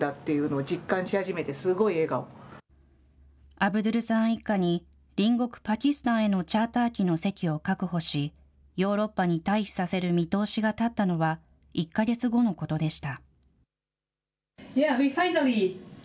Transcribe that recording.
アブドゥルさん一家に隣国パキスタンへのチャーター機の席を確保し、ヨーロッパに退避させる見通しが立ったのは、１か月後のことでした。